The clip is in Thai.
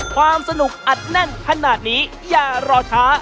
ความสนุกอัดแน่นขนาดนี้อย่ารอช้า